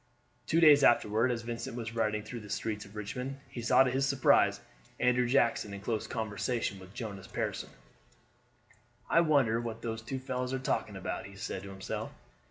Two days afterward as Vincent was riding through the streets of Richmond he saw to his surprise Andrew Jackson in close conversation with Jonas Pearson. "I wonder what those two fellows are talking about?" he said to himself.